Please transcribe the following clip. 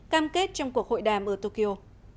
cam kết trong cuộc hội đàm ở tokyo